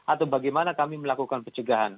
atau bagaimana kami melakukan pencegahan